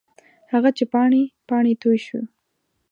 هغه چې پاڼې، پاڼې توی شوه